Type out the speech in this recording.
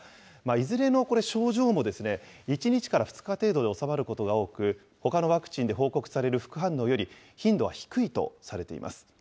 いずれの症状も１日から２日程度で収まることが多く、ほかのワクチンで報告される副反応より頻度は低いとされています。